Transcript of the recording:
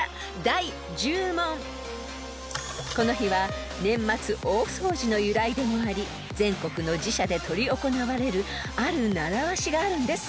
［この日は年末大掃除の由来でもあり全国の寺社で執り行われるある習わしがあるんです］